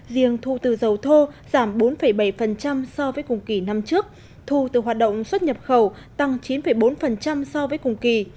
riêng thu từ dầu thô giảm bốn bảy so với cùng kỳ năm trước thu từ hoạt động xuất nhập khẩu tăng chín bốn so với cùng kỳ